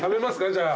じゃあ。